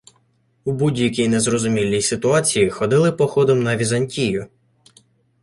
В будь-якій незрозумілій ситуації ходили походом на Візантію.